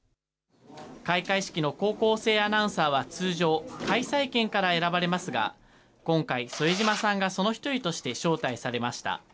開会式の高校生アナウンサーは、通常、開催県から選ばれますが、今回、副島さんがその１人として招待されました。